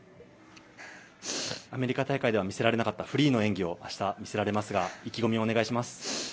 アメリカ大会では見せられなかったフリーの演技を明日、見せられますが意気込みをお願いします。